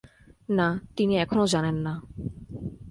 না, তিনি এখনো জানেন না।